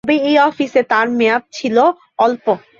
তবে এই অফিসে তাঁর মেয়াদ কাল ছিল অল্প।